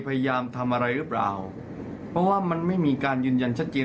พยายามทำอะไรหรือเปล่าเพราะว่ามันไม่มีการยืนยันชัดเจน